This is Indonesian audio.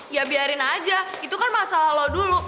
ya biarin aja itu kan masalah lo dulu